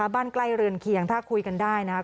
บ้านใกล้เรือนเคียงถ้าคุยกันได้นะครับ